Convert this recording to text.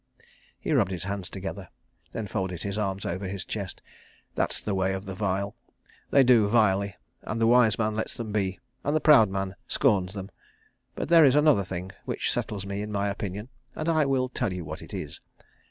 He rubbed his hands together, then folded his arms over his chest. "That's the way of the vile. They do vilely, and the wise man lets them be, and the proud man scorns them. But there is another thing, which settles me in my opinion, and I will tell you what it is.